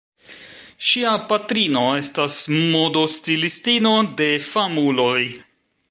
Ŝia patrino estas modostilistino de famuloj.